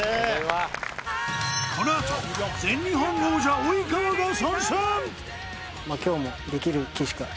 このあと全日本王者及川が参戦！